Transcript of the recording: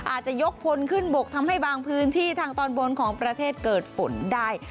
อาจจะยกพลขึ้นบกทำให้บางพื้นที่ทางตอนบนของประเทศเกิดฝนได้